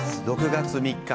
６月３日